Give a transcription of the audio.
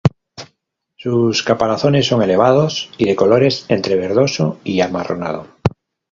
Sus caparazones son elevados, y de colores entre verdoso y amarronado.